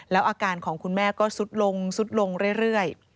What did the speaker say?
แล้วอาการของคุณแม่ก็สุดลงสุดลงเรื่อย